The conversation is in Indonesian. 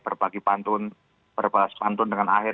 berbagi pantun berbalas pantun dengan akhir